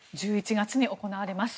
１１月に行われます。